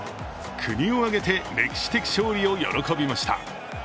国を挙げて歴史的勝利を喜びました。